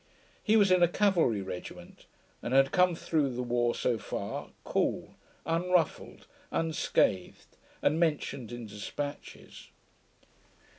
He was in a cavalry regiment, and had come through the war so far cool, unruffled, unscathed, and mentioned in despatches.